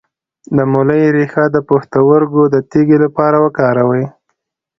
د مولی ریښه د پښتورګو د تیږې لپاره وکاروئ